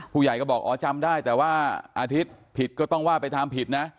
ผู้ใหญ่ก็บอกอ๋อจำได้แต่ว่าอาทิตย์ผิดก็ต้องว่าไปทำผิดนะ